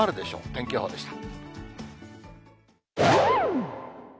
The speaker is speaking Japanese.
天気予報でした。